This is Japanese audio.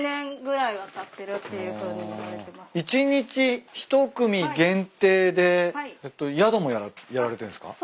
１日１組限定で宿もやられてるんすか？